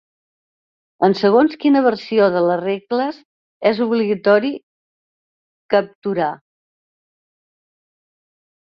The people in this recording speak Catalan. En segons quina versió de les regles és obligatori capturar.